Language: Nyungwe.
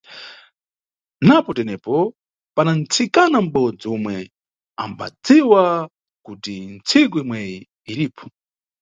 Napo tenepo, pana nʼtsikana mʼbodzi omwe ambadziwa kuti ntsiku imweyi iripo.